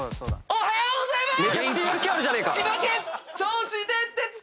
おはようございます！